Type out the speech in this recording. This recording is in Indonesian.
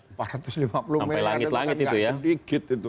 empat ratus lima puluh miliar ada bangkanya sedikit